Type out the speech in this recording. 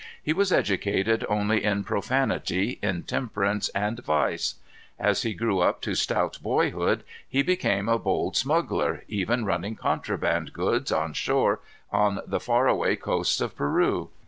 He was educated only in profanity, intemperance, and vice. As he grew up to stout boyhood he became a bold smuggler, even running contraband goods on shore on the far away coasts of Peru.